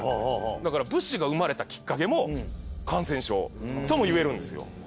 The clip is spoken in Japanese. だから武士が生まれたきっかけも感染症とも言えるんですよ。